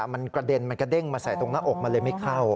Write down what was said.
มันกระเด็นมันกระเด้งมาใส่ตรงหน้าอกมันเลยไม่เข้า